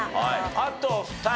あと２人。